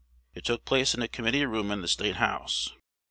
It took place in a committee room in the State House.